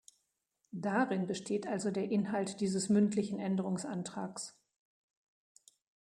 Darin besteht also der Inhalt dieses mündlichen Änderungsantrags.